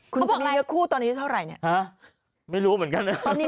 คุณจะมีเนื้อคู่ตอนนี้เท่าไหร่เนี่ย